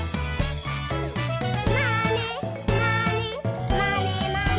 「まねまねまねまね」